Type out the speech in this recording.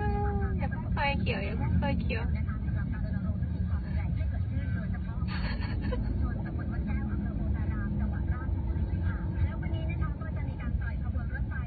กินที่นี่น่าจะมีการส่อยข้อมูลรถไฟในรูปแบบไปทาราศนาธรรม